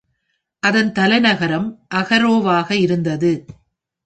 அதன் தலைநகரம் அகரோ-வாக இருந்தது.